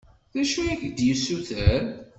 D acu i ak-d-yessuter?